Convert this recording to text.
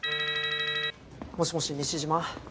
もしもし西島？